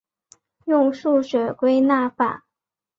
用数学归纳法。